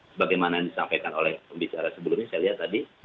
sebagaimana yang disampaikan oleh pembicara sebelumnya saya lihat tadi